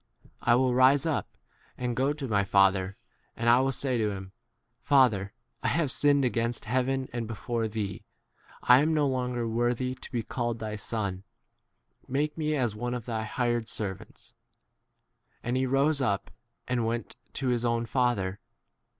I will rise up and go to my father, and I will say to him, Father, I have sinned against heaven and before 19 thee ;° I am no longer worthy to be called thy son : make me as 20 one of thy hired servants. And he rose up and went to his own father.